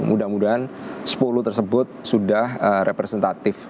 mudah mudahan sepuluh tersebut sudah representatif